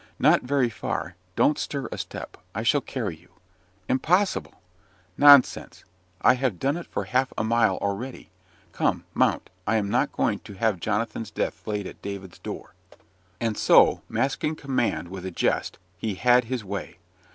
"Not very far. Don't stir a step. I shall carry you." "Impossible!" "Nonsense; I have done it for half a mile already. Come, mount! I am not going to have Jonathan's death laid at David's door." And so, masking command with a jest, he had his way.